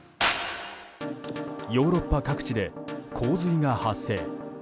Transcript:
ヨーロッパ各地で洪水が発生。